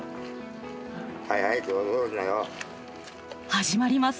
始まります。